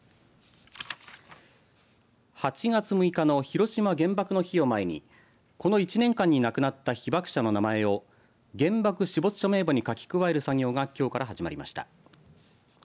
８月６日の広島原爆の日を前にこの１年間に亡くなった被爆者の名前を原爆死没者名簿に書き加える作業がきょうから始まりました。